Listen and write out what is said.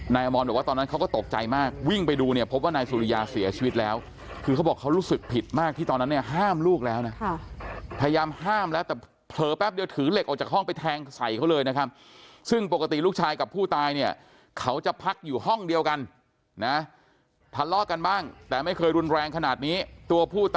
อมรบอกว่าตอนนั้นเขาก็ตกใจมากวิ่งไปดูเนี่ยพบว่านายสุริยาเสียชีวิตแล้วคือเขาบอกเขารู้สึกผิดมากที่ตอนนั้นเนี่ยห้ามลูกแล้วนะพยายามห้ามแล้วแต่เผลอแป๊บเดียวถือเหล็กออกจากห้องไปแทงใส่เขาเลยนะครับซึ่งปกติลูกชายกับผู้ตายเนี่ยเขาจะพักอยู่ห้องเดียวกันนะทะเลาะกันบ้างแต่ไม่เคยรุนแรงขนาดนี้ตัวผู้ต